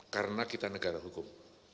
karena kita negara hukum